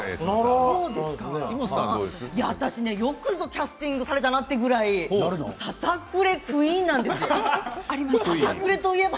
私ね、よくぞキャスティングされたなというくらいささくれクイーンなんですよ。